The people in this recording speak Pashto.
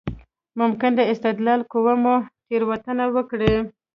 ممکن د استدلال قوه مو تېروتنه وکړي.